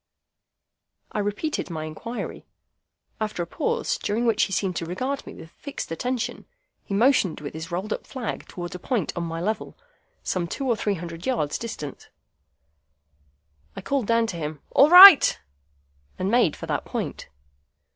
I repeated my inquiry. After a pause, during which he seemed to regard me with fixed attention, he motioned with his rolled up flag towards a point on my level, some two or three hundred yards distant. I called down to him, "All right!" and made for that point.